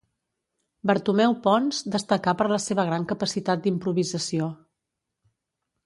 Bartomeu Pons destacà per la seva gran capacitat d'improvisació.